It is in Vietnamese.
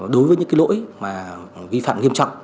đối với những lỗi vi phạm nghiêm trọng